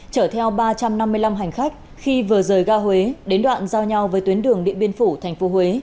chở theo ba trăm năm mươi năm hành khách khi vừa rời ga huế đến đoạn giao nhau với tuyến đường điện biên phủ tp huế